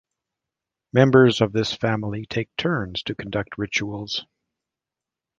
Members of this family take turns to conduct rituals.